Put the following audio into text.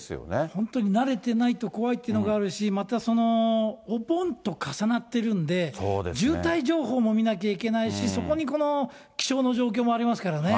本当に慣れてないと怖いというのがあるし、またお盆と重なってるんで、渋滞情報も見なきゃいけないし、そこにこの気象の状況もありますからね。